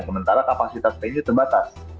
sementara kapasitas penyu terbatas